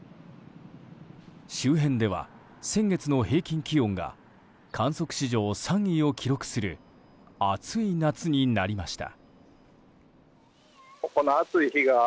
周辺では先月の平均気温が観測史上３位を記録する暑い夏になりました。